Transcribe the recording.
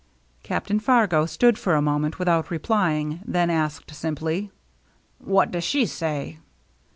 Captain Fargo stood for a moment without replying, then asked simply, "What does she say